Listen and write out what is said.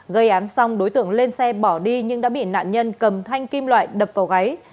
gây án xong đối tượng lên xe bỏ đi nhưng đã bị nạn nhân cầm thanh kim loại đập vào gáy